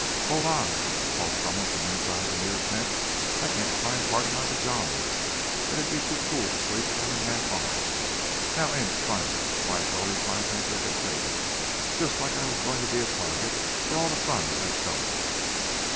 "Hold on!" called some one from inside the near tent; "I can't find part of my pajamas; and it'd be too cool to sleep with only half on. Now ain't it funny why it's always my things that get taken? Just like I was going to be a target for all the fun that's going."